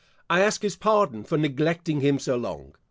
I ask his pardon for neglecting him so long.